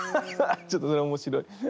ちょっとそれ面白い。